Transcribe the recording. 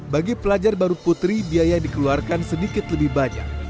bagi pelajar baru putri biaya yang dikeluarkan sedikit lebih banyak